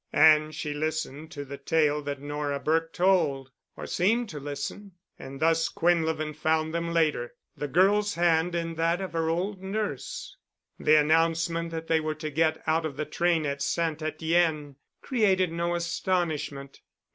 And she listened to the tale that Nora Burke told, or seemed to listen, and thus Quinlevin found them later, the girl's hand in that of her old nurse. The announcement that they were to get out of the train at St. Etienne created no astonishment.